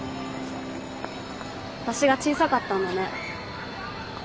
私が小さかったんだね。